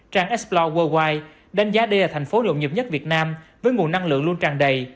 trang explore worldwide đánh giá đây là thành phố lộn nhập nhất việt nam với nguồn năng lượng luôn tràn đầy